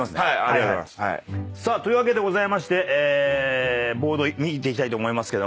というわけでございましてボード見ていきたいと思いますけども。